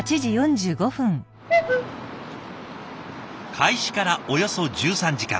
開始からおよそ１３時間。